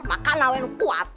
kau yang kuat